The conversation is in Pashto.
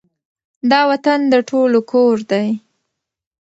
دا وطــن د ټولو کـــــــــــور دی